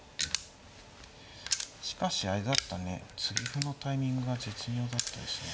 しかしあれだったね継ぎ歩のタイミングが絶妙だったですね。